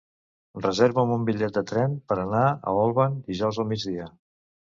Reserva'm un bitllet de tren per anar a Olvan dijous al migdia.